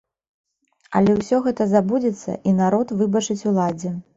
Але ўсё гэта забудзецца і народ выбачыць уладзе.